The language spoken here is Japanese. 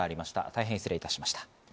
大変失礼しました。